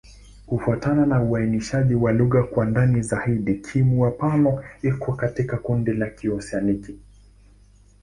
Kufuatana na uainishaji wa lugha kwa ndani zaidi, Kimur-Pano iko katika kundi la Kioseaniki.